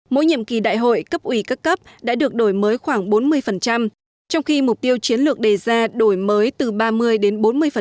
mỗi nhiệm kỳ đại hội cấp ủy các cấp đã được đổi mới khoảng bốn mươi trong khi mục tiêu chiến lược đề ra đổi mới từ ba mươi đến bốn mươi